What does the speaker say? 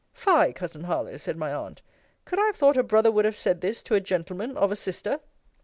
Fie, cousin Harlowe! said my aunt Could I have thought a brother would have said this, to a gentleman, of a sister?